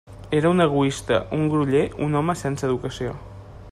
Era un egoista, un groller, un home sense educació.